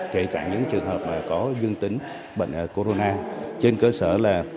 kể cả những trường hợp có dương tính bệnh corona trên cơ sở là